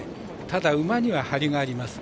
ただ、馬にはハリがあります。